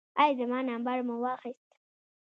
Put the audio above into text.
ایا زما نمبر مو واخیست؟